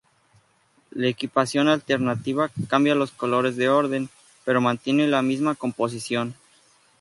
La equipación alternativa cambia los colores de orden, pero mantiene la misma composición.